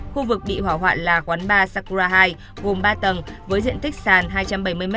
khu vực bị hỏa hoạn là quán ba sakura hai vùng ba tầng với diện tích sàn hai trăm bảy mươi m hai